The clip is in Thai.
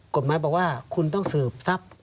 กฎหมายบอกว่าคุณต้องสืบทรัพย์